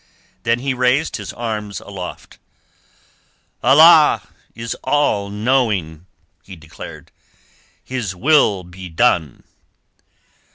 Then he raised his arms aloft. "Allah is All knowing," he declared. "His will be done!"